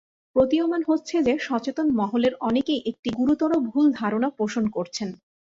প্রতীয়মান হচ্ছে যে, সচেতন মহলের অনেকেই একটি গুরুতর ভুল ধারণা পোষণ করছেন।